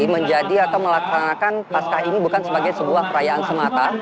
menjadi atau melaksanakan pascah ini bukan sebagai sebuah perayaan semata